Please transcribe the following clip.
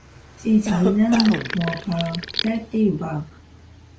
She is renowned for her charity work.